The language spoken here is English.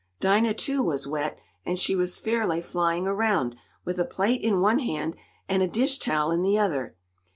Dinah, too, was wet, and she was fairly flying around, with a plate in one hand and a dish towel in the other.